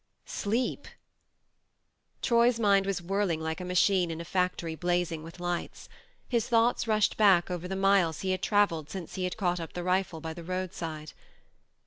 Sleep f Troy's mind was whirling like a machine in a factory blazing with lights. His thoughts rushed back over the miles he had travelled since he had caught up the rifle by the roadside.